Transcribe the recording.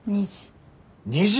２時。